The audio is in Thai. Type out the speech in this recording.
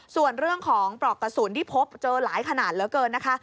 ส่วนเรื่องของปลอกกระสุนที่พบเจอหลายขนาดเหลือเกินนะคะ